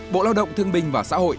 bộ lao động thương bình và xã hội